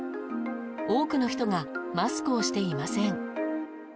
多くの人がマスクをしていません。